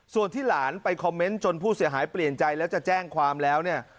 ส่วนที่หลานไปคอมเมนต์จนผู้เสียหายเปลี่ยนใจแล้วจะแจ้งความแล้วเนี่ย